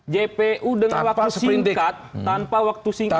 jpu dengan waktu singkat